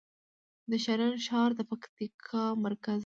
د شرن ښار د پکتیکا مرکز دی